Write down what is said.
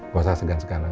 gak usah segan seganan